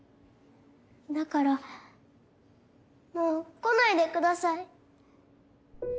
だからもう来ないでください。